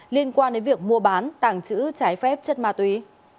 liên quan đến việc mua bán tàng trữ trái phép chất ma túy